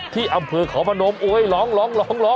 ที่อำเภอขอบพนมโอ๊ยล้อง